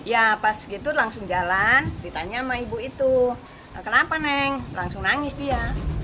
ya pas gitu langsung jalan ditanya sama ibu itu kenapa neng langsung nangis dia